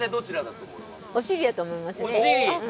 お尻やと思います。